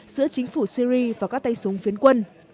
giữa chính phủ syri và các tay súng phiến quân